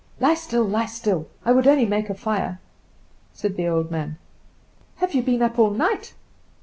"Lie still, lie still! I would only make a fire," said the old man. "Have you been up all night?"